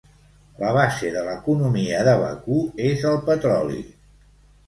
La base de l'economia de Bakú és el petroli.